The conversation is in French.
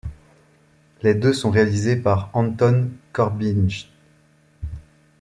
Les deux sont réalisés par Anton Corbijn.